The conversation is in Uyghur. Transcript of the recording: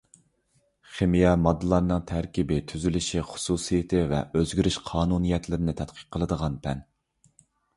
خىمىيە — ماددىلارنىڭ تەركىبى، تۈزۈلۈشى، خۇسۇسىيىتى ۋە ئۆزگىرىش قانۇنىيەتلىرىنى تەتقىق قىلىدىغان پەن.